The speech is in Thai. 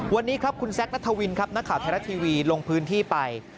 วันนี้ครับคุณแซคนัทวินครับนักข่าวไทยรัฐทีวีลงพื้นที่ไป